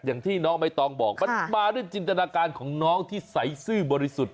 อย่างที่น้องใบตองบอกมันมาด้วยจินตนาการของน้องที่ใสซื่อบริสุทธิ์